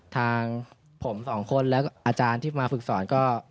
ทางผม๒คนและอาจารย์ที่มาฝึกสอนก็